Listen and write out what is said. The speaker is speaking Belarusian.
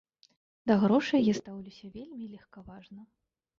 Да грошай я стаўлюся вельмі легкаважна.